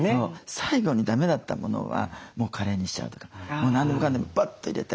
最後にだめだったものはもうカレーにしちゃうとかもう何でもかんでもバッと入れて。